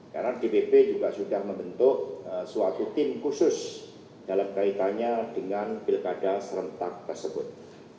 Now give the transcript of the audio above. karena dpp juga sudah membentuk suatu tim khusus dalam kaitannya dengan pilkada serentak tersebut